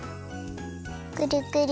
くるくる。